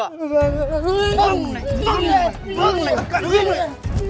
vâng này vâng này vâng này cắt cắt đứng đi